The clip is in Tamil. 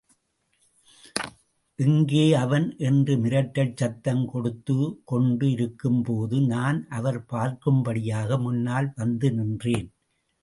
எங்கே அவன்? என்ற மிரட்டல் சத்தம் கொடுத்துகொண்டு இருக்கும்போது நான் அவர் பார்க்கும்படியாக முன்னால் வந்து நின்றேன்.